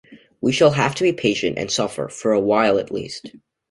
We shall have to be patient, and suffer for awhile at least.